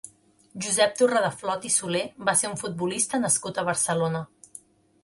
Josep Torredeflot i Solé va ser un futbolista nascut a Barcelona.